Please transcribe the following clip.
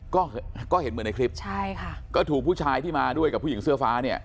ก็ก็เห็นเหมือนในคลิปใช่ค่ะก็ถูกผู้ชายที่มาด้วยกับผู้หญิงเสื้อฟ้าเนี่ย